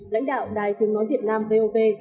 lãnh đạo đài thương ngón việt nam vov